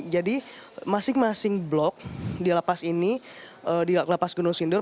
jadi masing masing blok di lapas ini di lapas gunung sindur